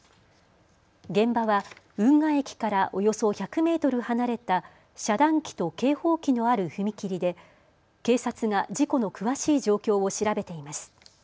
現場は運河駅からおよそ１００メートル離れた遮断機と警報機のある踏切で警察が事故の詳しい状況を調べています。